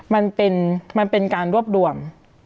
มันเป็นการรวบรวม